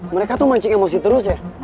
mereka tuh mancing emosi terus ya